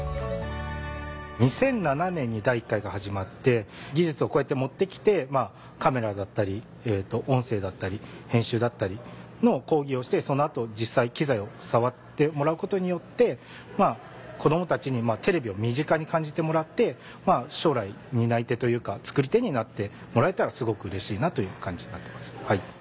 ２００７年に第１回が始まって技術をこうやって持ってきてカメラだったり音声だったり編集だったりの講義をしてその後実際機材を触ってもらうことによって子供たちにテレビを身近に感じてもらって将来担い手というか作り手になってもらえたらすごくうれしいなという感じになってます。